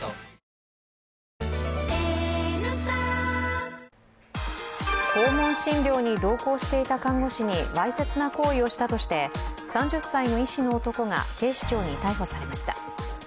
２１訪問診療に同行していた看護師にわいせつな行為をしたとして、３０歳の医師の男が警視庁に逮捕されました。